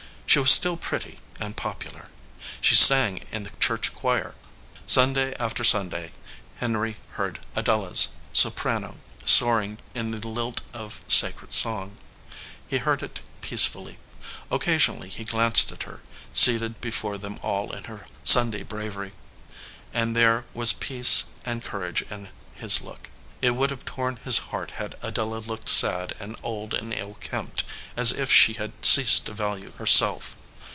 She was still pretty and popular. She sang in the church choir. Sunday after Sunday Henry heard Adela s soprano soar ing in the lilt of sacred song. He heard it peace fully. Occasionally he glanced at her, seated be fore them all in her Sunday bravery, and there was peace and courage in his look. It would have torn his heart had Adela looked sad and old and ill kempt, as if she had ceased to value herself.